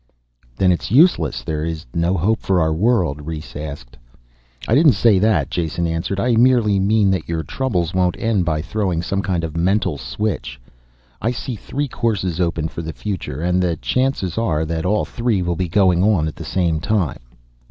"Then it's useless there's no hope for our world?" Rhes asked. "I didn't say that," Jason answered. "I merely mean that your troubles won't end by throwing some kind of mental switch. I see three courses open for the future, and the chances are that all three will be going on at the same time.